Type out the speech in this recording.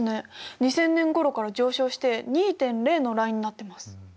２０００年ごろから上昇して２．０のラインになってます。